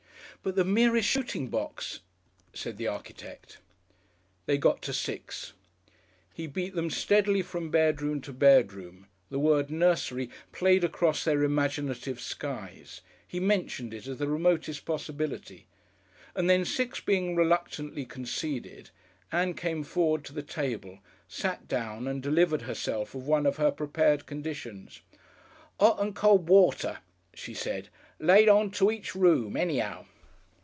"But the merest shooting box ," said the architect. They got to six; he beat them steadily from bedroom to bedroom, the word "nursery" played across their imaginative skies he mentioned it as the remotest possibility and then six being reluctantly conceded, Ann came forward to the table, sat down and delivered herself of one of her prepared conditions: "'Ot and cold water," she said, "laid on to each room any'ow."